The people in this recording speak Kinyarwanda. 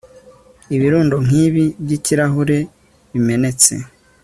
ibirundo nkibi byikirahure bimenetse